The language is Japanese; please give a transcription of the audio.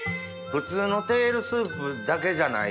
普通のテールスープだけじゃない。